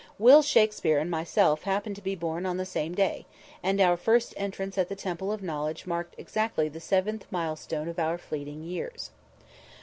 Will Shakspere and myself happened to be born on the same day, and our first entrance at the temple of knowledge marked exactly the seventh milestone of our fleeting years.